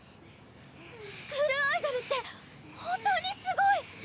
スクールアイドルって本当にすごい！